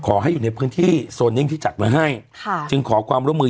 ขอให้อยู่ในพื้นที่โซนิ่งที่จัดไว้ให้ค่ะจึงขอความร่วมมือ